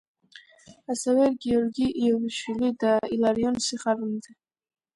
ასევე გიორგი იობიშვილი და ილარიონ სიხარულიძე.